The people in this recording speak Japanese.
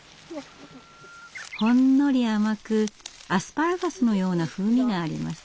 ほんのり甘くアスパラガスのような風味があります。